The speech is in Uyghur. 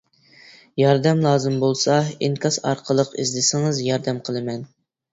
ياردەم لازىم بولسا ئىنكاس ئارقىلىق ئىزدىسىڭىز ياردەم قىلىمەن.